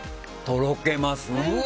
とろけます。